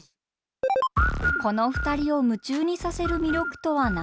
この２人を夢中にさせる魅力とは何なのか？